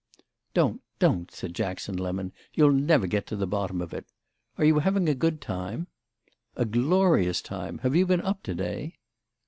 "Don't—don't," said Jackson Lemon; "you'll never get to the bottom of it. Are you having a good time?" "A glorious time. Have you been up to day?"